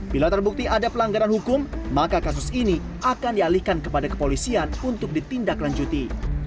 bila terbukti ada pelanggaran hukum maka kasus ini akan dialihkan kepada kepolisian untuk ditindaklanjuti